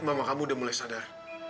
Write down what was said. mama kamu udah mulai sadar